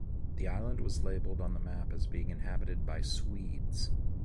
The island was labeled on the map as being inhabited by Swedes.